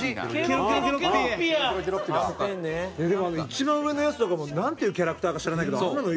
でも一番上のやつとかもなんていうキャラクターか知らないけどあんなの。